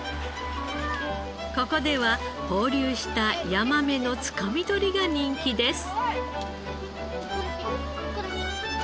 ここでは放流したヤマメのつかみ取りが人気です。